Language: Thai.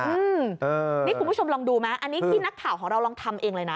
อืมนี่คุณผู้ชมลองดูไหมอันนี้ที่นักข่าวของเราลองทำเองเลยนะ